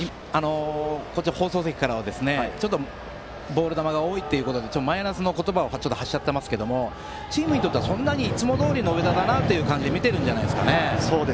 放送席からはボール球が多いということでマイナスの言葉を発しちゃっていますけれどもチームにとってはいつもどおりの上田だなと見ていると思います。